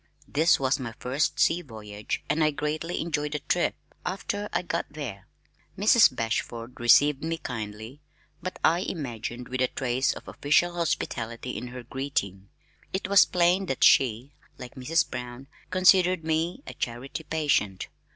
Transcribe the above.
This was my first sea voyage and I greatly enjoyed the trip after I got there! Mrs. Bashford received me kindly, but (I imagined) with a trace of official hospitality in her greeting. It was plain that she (like Mrs. Brown) considered me a "Charity Patient."